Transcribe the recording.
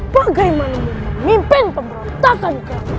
bagaimana kau memimpin pemberantakan kau